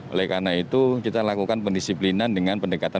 oleh karena itu kita lakukan pendisiplinan dengan pendekatan